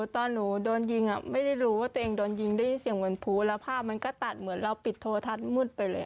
ตอนหนูโดนยิงไม่ได้รู้ว่าตัวเองโดนยิงได้ยินเสียงเหมือนภูแล้วภาพมันก็ตัดเหมือนเราปิดโทรทัศน์มืดไปเลย